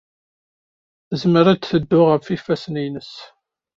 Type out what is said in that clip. Tezmer ad teddu ɣef yifassen-nnes.